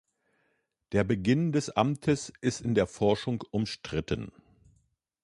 Der Beginn des Amtes ist in der Forschung umstritten.